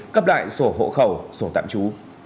cấp lại sổ hộ khẩu sổ tạm trú